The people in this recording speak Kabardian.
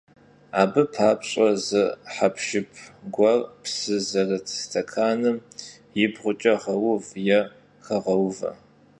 Abı papş'e zı hepşşıp guer psı zerıt stekanım yibğuç'e ğeuv yê xeğeuve.